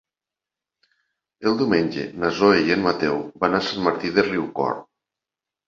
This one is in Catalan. Diumenge na Zoè i en Mateu van a Sant Martí de Riucorb.